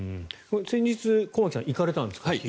先日駒木さん、行かれたんですか？